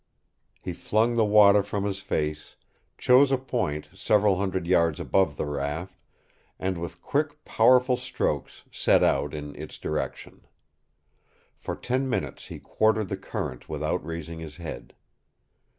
He flung the water from his face, chose a point several hundred yards above the raft, and with quick, powerful strokes set out in its direction. For ten minutes he quartered the current without raising his head.